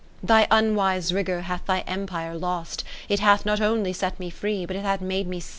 Thy unwise rigour hath thy empire lost ; It hath not only set me free, But it hath made me